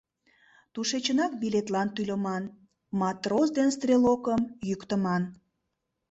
Тушечынак билетлан тӱлыман, матрос ден стрелокым йӱктыман...